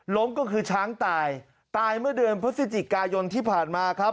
ก็คือช้างตายตายเมื่อเดือนพฤศจิกายนที่ผ่านมาครับ